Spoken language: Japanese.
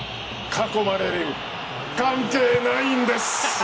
囲まれる関係ないんです！